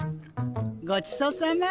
ごちそうさま。